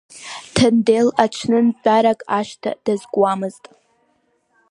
Ҭандел аҽнынтәарак ашҭа дазкуамызт.